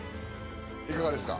いかがですか？